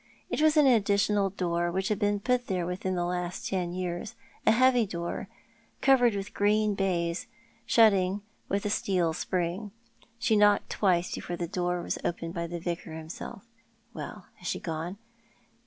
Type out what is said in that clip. It was an additional door, which had been put there within the last ten years — a heavy door, covered with green baize, shutting with a steel spring. She knocked twice before the door was opened by the Vicar himself. "Well, has she gone?"